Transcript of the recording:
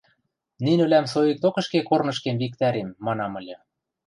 «Нинӹвлӓм соикток ӹшке корнышкем виктӓрем», – манам ыльы.